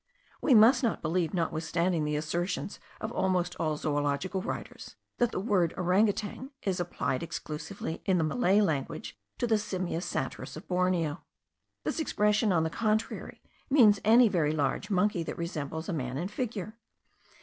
We must not believe, notwithstanding the assertions of almost all zoological writers, that the word orang otang is applied exclusively in the Malay language to the Simia satyrus of Borneo. This expression, on the contrary, means any very large monkey, that resembles man in figure.